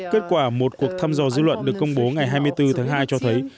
kết quả một cuộc thăm dò dư luận được công bố ngày hai mươi bốn tháng hai cho thấy